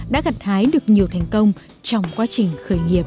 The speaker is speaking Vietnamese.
đã gặt hái được nhiều thành công trong quá trình khởi nghiệp